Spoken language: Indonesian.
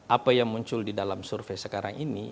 apa yang muncul di dalam survei sekarang ini